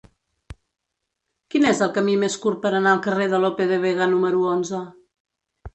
Quin és el camí més curt per anar al carrer de Lope de Vega número onze?